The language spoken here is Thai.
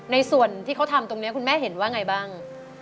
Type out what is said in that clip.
ส่วนที่เขาทำตรงนี้คุณแม่เห็นว่าไงบ้าง